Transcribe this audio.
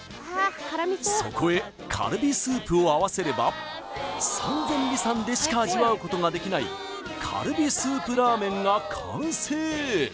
そこへカルビスープを合わせれば三千里さんでしか味わうことができないカルビスープラーメンが完成